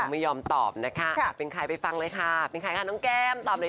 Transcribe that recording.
ไม่ยอมตอบนะคะเป็นใครไปฟังเลยค่ะเป็นใครค่ะน้องแก้มตอบเลย